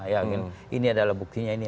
yang ingin ini adalah buktinya ini